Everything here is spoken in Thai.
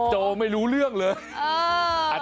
โจไม่รู้เรื่องหรอก